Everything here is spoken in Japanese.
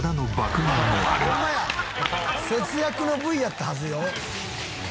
節約のＶやったはずよ。